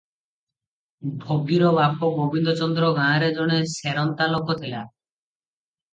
ଭଗିର ବାପ ଗୋବିନ୍ଦ ଚନ୍ଦ୍ର ଗାଁରେ ଜଣେ ସେରନ୍ତା ଲୋକ ଥିଲା ।